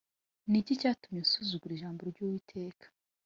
Ni iki cyatumye usuzugura ijambo ry’Uwiteka